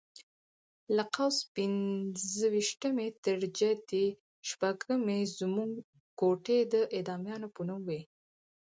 له قوس پنځه ویشتمې تر جدي شپږمې زموږ کوټې د اعدامیانو په نوم وې.